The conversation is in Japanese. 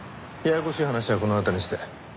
ややこしい話はこの辺りにして。